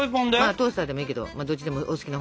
トースターでもいいけどどっちでもお好きなほうで。